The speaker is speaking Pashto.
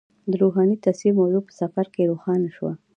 د روحاني تصفیې موضوع په سفر کې روښانه شوه.